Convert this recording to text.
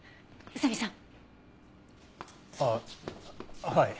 宇佐見さん